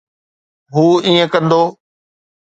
هو ائين ڪندو.